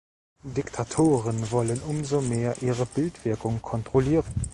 Diktatoren wollen umso mehr ihre Bildwirkung kontrollieren.